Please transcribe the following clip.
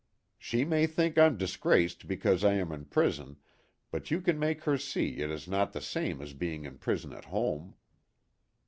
" She may think I'm disgraced because I am in prison, but you can make her see it is not the same as being in prison at home."